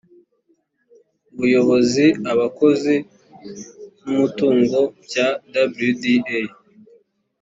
ubuyobozi abakozi n umutungo bya wda